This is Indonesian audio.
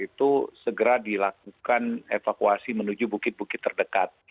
itu segera dilakukan evakuasi menuju bukit bukit terdekat